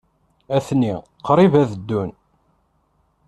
Atni qrib ad ddun.